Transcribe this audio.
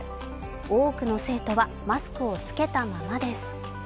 多くの生徒はマスクを着けたままです。